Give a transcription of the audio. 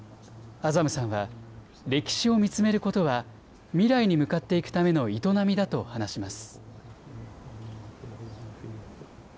アザムさんは、歴史を見つめることは、未来に向かっていくための営みだと話します。